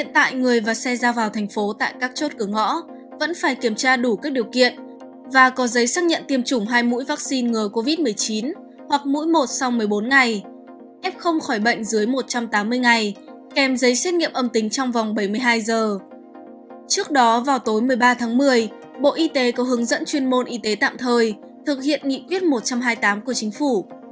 trước đó vào tối một mươi ba tháng một mươi bộ y tế có hướng dẫn chuyên môn y tế tạm thời thực hiện nghị quyết một trăm hai mươi tám của chính phủ